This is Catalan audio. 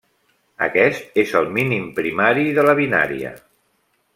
Aquest és el mínim primari de la binària.